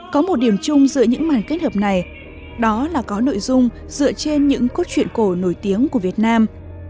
có một điểm chung giữa những màn kết hợp này đó là có nội dung dựa trên những cốt truyện cổ nổi tiếng của việt nam